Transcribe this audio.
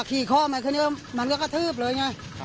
คลีข้อมไอขึ้นก็มันก็กระทืบเลยไง